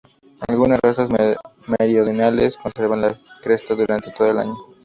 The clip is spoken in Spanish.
Algunas razas meridionales conservan la cresta durante todo el año.